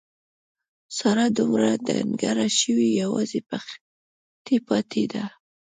ساره دومره ډنګره شوې یوازې پښتۍ پاتې ده.